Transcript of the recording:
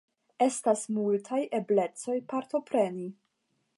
Estas multaj eblecoj partopreni.